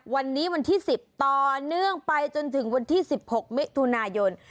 วันนี้วันที่๑๐ต่อเนื่องไปจนถึงวันที่๑๖มิถุนายน